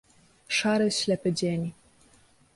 "Szary, ślepy dzień."